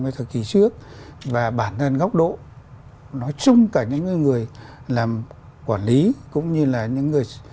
mấy thời kỳ trước và bản thân góc độ nói chung cả những người làm quản lý cũng như là những người